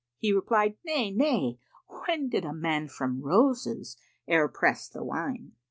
He replied 'Nay, nay! * When did man from Roses e'er press the Wine?'"